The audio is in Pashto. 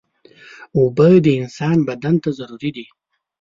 اوبه د انسان بدن ته ضروري دي.